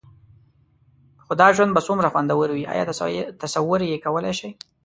خو دا ژوند به څومره خوندور وي؟ ایا تصور یې کولای شئ؟